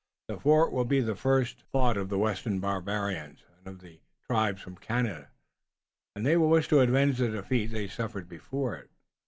"The fort will be the first thought of the western barbarians, and of the tribes from Canada, and they will wish to avenge the defeat they suffered before it."